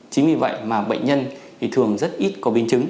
chính vì vậy mà bệnh nhân thì thường rất ít có biến chứng